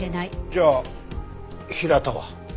じゃあ「平田」は？